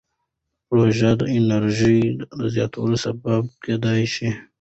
روژه د انرژۍ د زیاتوالي سبب کېدای شي.